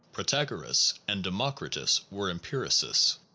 5 Protagoras and Democritus were empiricists.